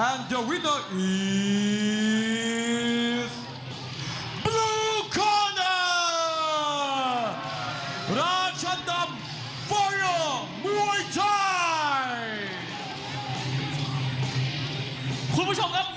หลังจาก๓รอบเริ่มการต่อไป